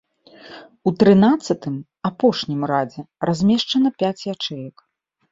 У трынаццатым, апошнім радзе, размешчана пяць ячэек.